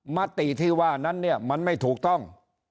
มติที่ว่านั้นเนี่ยมันไม่ถูกต้อง